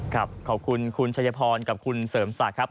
ครับขอบคุณคุณชัยพรกับคุณเสริมสัตว์ครับ